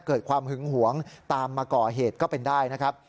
เกิดความหึงหวงตามมาก่อเหตุก็เป็นได้นะครับ